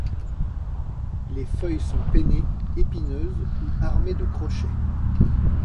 Les feuilles sont pennées, épineuses ou armées de crochets.